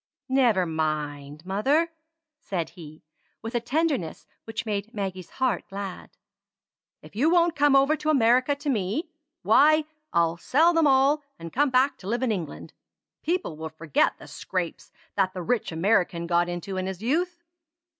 "Never mind, mother!" said he, with a tenderness which made Maggie's heart glad. "If you won't come over to America to me, why, I'll sell them all, and come back to live in England. People will forget the scrapes that the rich American got into in his youth."